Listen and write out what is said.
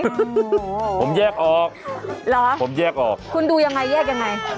หัวโหโหรผมแยกออกผมแยกออกคุณดูยังไงแยกยังไง